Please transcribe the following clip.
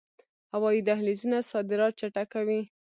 هوایی دهلیزونه صادرات چټکوي